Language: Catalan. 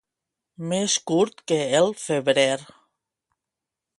Més curt que el febrer.